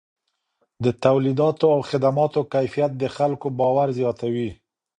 د توليداتو او خدماتو کیفیت د خلکو باور زیاتوي.